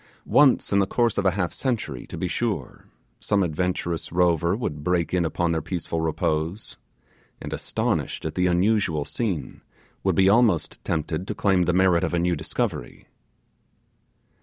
Once in the course of a half century, to be sure, some adventurous rover would break in upon their peaceful repose, and astonished at the unusual scene, would be almost tempted to claim the merit of a new discovery.